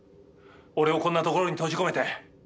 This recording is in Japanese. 俺をこんなところに閉じ込めて。